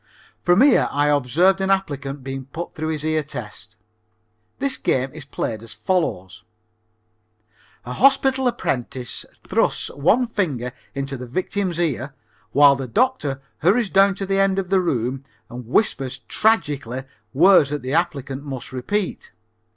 From here I observed an applicant being put through his ear test. This game is played as follows: a hospital apprentice thrusts one finger into the victim's ear while the doctor hurries down to the end of the room and whispers tragically words that the applicant must repeat.